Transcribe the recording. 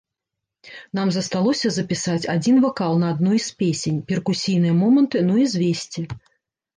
Нам засталося запісаць адзін вакал на адной з песень, перкусійныя моманты, ну і звесці.